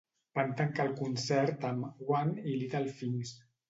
Van tancar el concert amb "One" i "Little Things".